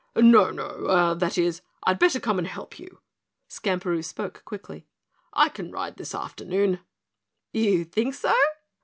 "No no er that is, I'd better come and help you," Skamperoo spoke quickly. "I can ride this afternoon." "You think so?"